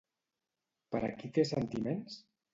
Per a qui té sentiments?